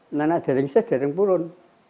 tapi kalau sudah isis akan turun